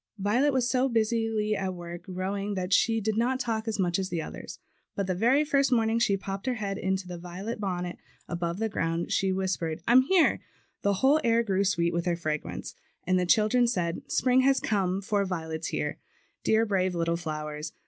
Violet was so busily at work growing that she did not talk as much as the others; but the very first morning she popped her head in its violet bonnet above the ground and whis 28 MARCH'S CALL. pered, 'I'm here/' the whole air grew sweet with her fragrance; and the children said, "Spring has come, for the violet's here." Dear, brave little flowers!